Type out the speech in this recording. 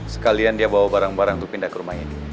sekalian dia bawa barang barang untuk pindah ke rumah ini